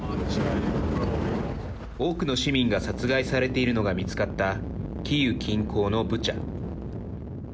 多くの市民が殺害されているのが見つかったキーウ近郊のブチャ。